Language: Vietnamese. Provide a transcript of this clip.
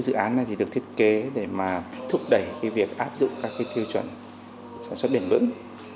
dự án này được thiết kế để thúc đẩy việc áp dụng các thiêu chuẩn sản xuất bền vững